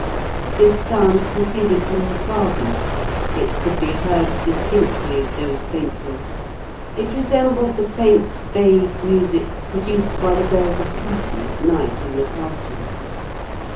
This sound proceeded from the garden. It could be heard distinctly though faintly. It resembled the faint, vague music produced by the bells of cattle at night in the pastures.